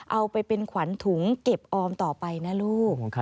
เอาไปเป็นขวัญถุงเก็บออมต่อไปนะลูก